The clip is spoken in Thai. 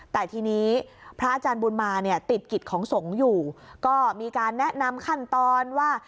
แต่ทีนี้พระอาจารย์บุญมาเนี่ยติดกิจของสงฆ์อยู่ก็มีการแนะนำขั้นตอนว่า